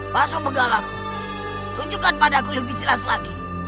mas begalang tunjukkan padaku lebih jelas lagi